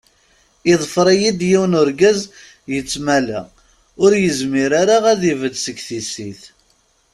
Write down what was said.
Iḍfer-iyi-d yiwen urgaz, yettmala, ur yezmir ara ad ibedd seg tissit.